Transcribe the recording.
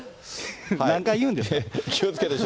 何回言うんですか。